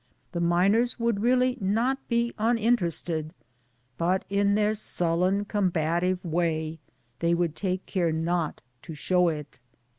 The miners would really not be uninterested, but in their sullen combative way they would take care not to show it.